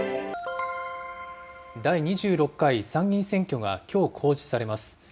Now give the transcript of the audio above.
第２６回参議院選挙がきょう公示されます。